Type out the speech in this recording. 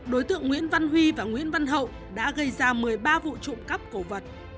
đối tượng nguyễn văn huy và nguyễn văn hậu đã gây ra một mươi ba vụ trộm cắp cổ vật